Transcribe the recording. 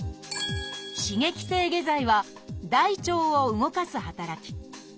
「刺激性下剤」は大腸を動かす働き。